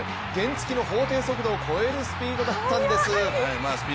原付の法定速度を超えるスピードだったんです。